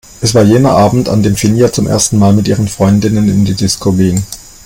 Es war jener Abend, an dem Finja zum ersten Mal mit ihren Freundinnen in die Disco ging.